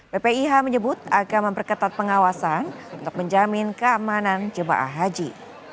ppih menyebut akan memperketat pengawasan untuk menjamin keamanan jemaah haji